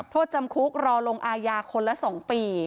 โทษจำคุกรอลงอายาคนละ๒ปี